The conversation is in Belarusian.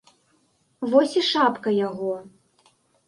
Вось і шапка яго.